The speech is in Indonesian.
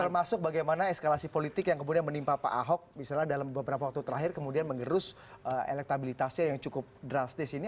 termasuk bagaimana eskalasi politik yang kemudian menimpa pak ahok misalnya dalam beberapa waktu terakhir kemudian mengerus elektabilitasnya yang cukup drastis ini